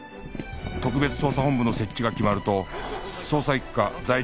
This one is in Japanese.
特別捜査本部の設置が決まると捜査一課在庁